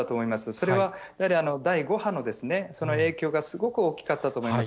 それは、やはり第５波の影響がすごく大きかったと思います。